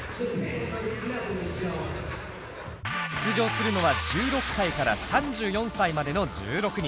出場するのは１６歳から３４歳までの１６人。